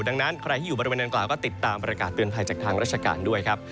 ดังนั้นใครที่อยู่บริเวณนางกล่าวก็ติดตามประกาศเตือนภัยจากทางราชการด้วยครับ